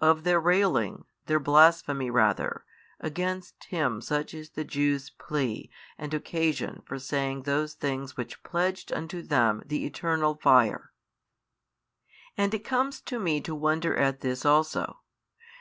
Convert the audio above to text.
Of their railing, their blasphemy rather, against |663 Him such is the Jews' plea and occasion for saying those things which pledged unto them the eternal fire. And it comes to me to wonder at this also.